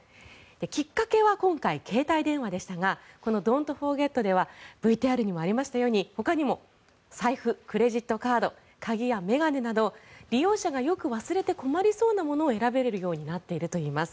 きっかけは今回、携帯電話でしたがＤｏｎ’ｔＦｏｒｇｅｔではＶＴＲにもありましたようにほかにも財布、クレジットカード鍵や眼鏡など利用者がよく忘れて困りそうなものを選べるようになっているといいます。